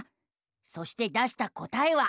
そして出した答えは。